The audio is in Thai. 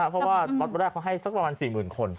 เพราะว่าล็อตแรกเขาให้สักประมาณ๔๐๐๐คน